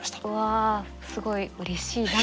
うわすごいうれしい。